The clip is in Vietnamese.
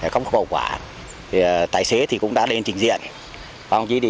khó khổ quả tài xế thì cũng đã đến trình diện